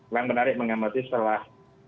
yang menarik mengamati setelah